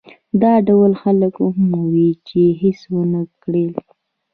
دا ډول خلک هم وو چې هېڅ ونه کړل.